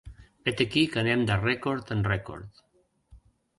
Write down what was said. Vet aquí que anem de rècord en rècord.